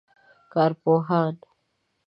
کارپوهان